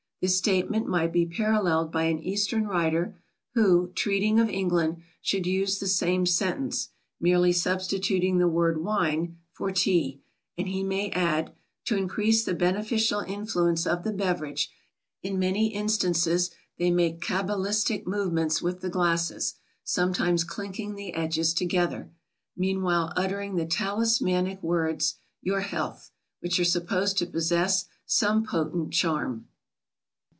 This statement might be paralleled by an Eastern writer who, treating of England, should use the same sentence, merely substituting the word "wine" for "Tea," and he may add, "to increase the beneficial influence of the beverage, in many instances they make cabalistic movements with the glasses, sometimes clinking the edges together, meanwhile uttering the talismanic words, 'Your health!' which are supposed to possess some potent charm."